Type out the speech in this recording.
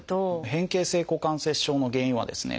変形性股関節症の原因はですね